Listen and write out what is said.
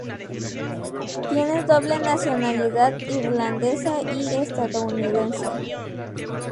Tiene doble nacionalidad, irlandesa y estadounidense.